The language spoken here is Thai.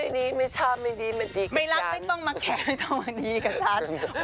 แมทตอบบอกว่าไม่ชอบไม่ดีไม่ชอบไม่ดีไม่รักไม่ต้องมาแขกไม่ต้องมาดีกับฉัน